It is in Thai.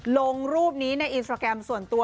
ลงรูปนี้ในอินสตราแกรมส่วนตัว